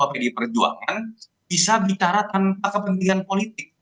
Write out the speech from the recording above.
mereka juga membuat perjuangan bisa bicara tanpa kepentingan politik